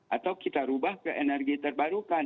atau kita rubah ke energi terbarukan